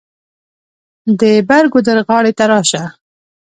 د بر ګودر غاړې ته راشه.